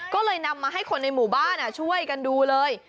ก็เลยนำมาให้คนในหมู่บ้านช่วยกันดูเลย